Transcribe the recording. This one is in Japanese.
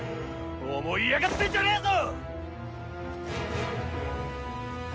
思い上がってんじゃねえぞ！